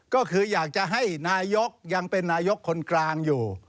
ก็คืออยากจะให้นายกยังเป็นนายกคนกลางอยู่